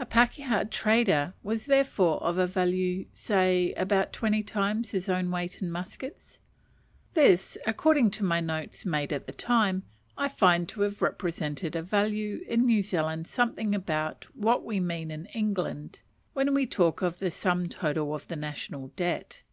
A pakeha trader was therefore of a value say about twenty times his own weight in muskets. This, according to my notes made at the time, I find to have represented a value in New Zealand something about what we mean in England when we talk of the sum total of the national debt.